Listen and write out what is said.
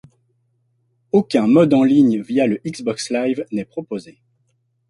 Aucun mode en ligne via le Xbox Live n'est proposé.